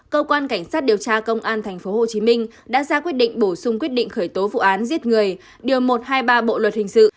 công an thành phố hồ chí minh đã ra quyết định bổ sung quyết định khởi tố vụ án giết người điều một trăm hai mươi ba bộ luật hình sự